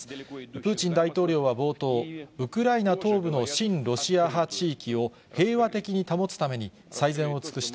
プーチン大統領は冒頭、ウクライナ東部の親ロシア派地域を平和的に保つために最善を尽くした。